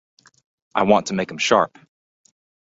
I want to make 'em sharp.